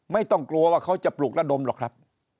ไม่ต้องกลัวว่าเขาจะปลุกระดมหรอกครับ